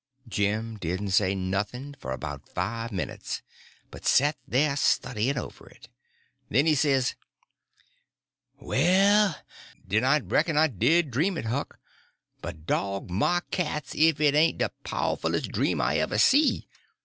Jim didn't say nothing for about five minutes, but set there studying over it. Then he says: "Well, den, I reck'n I did dream it, Huck; but dog my cats ef it ain't de powerfullest dream I ever see.